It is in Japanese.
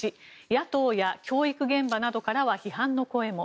野党や教育現場などから批判の声も。